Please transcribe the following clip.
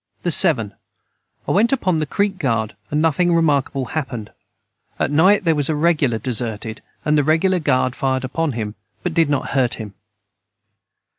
the 7. I went upon the creek guard and nothing remarkable hapned at night their was a regular deserted and the regular guard fired upon him but did not hurt him.